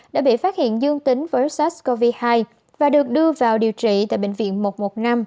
đã bị phát hiện dương tính với sars cov hai và được đưa vào điều trị tại bệnh viện một trăm một mươi năm